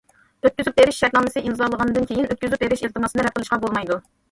ئۆتكۈزۈپ بېرىش شەرتنامىسى ئىمزالىغاندىن كېيىن، ئۆتكۈزۈپ بېرىش ئىلتىماسىنى رەت قىلىشقا بولمايدۇ.